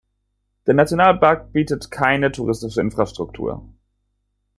Der Nationalpark bietet keine touristische Infrastruktur.